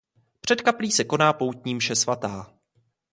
Před kaplí se koná poutní mše svatá.